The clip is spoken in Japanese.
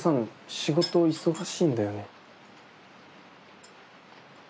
仕事忙しいんだよね。